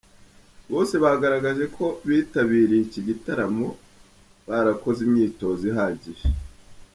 Bose bagaragaje ko bitabiriye iki gitaramo barakoze imyitozo ihagije.